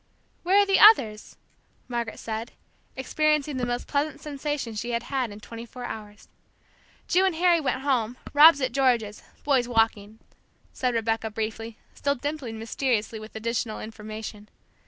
"Where are the others'" Margaret said, experiencing the most pleasant sensation she had had in twenty four hours. "Ju and Harry went home, Rob's at George's, boys walking," said Rebecca, briefly, still dimpling mysteriously with additional information.